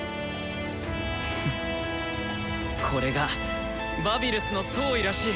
これがバビルスの総意らしい。